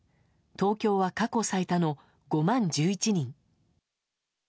東京は過去最多の５万１１人。